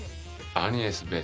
アニエスベー！